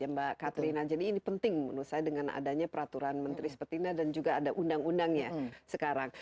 mbak katelina jadi ini penting menurut saya dengan adanya peraturan menteri seperti ini dan juga ada undang undangnya sekarang